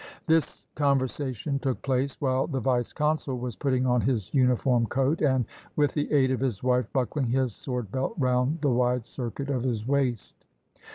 This conversation took place while the vice consul was putting on his uniform coat, and, with the aid of his wife, buckling his sword belt round the wide circuit of his waist.